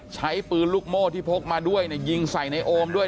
ใช้ปืนลูกโม่ที่พกมาด้วยยิงใส่ในโอมด้วย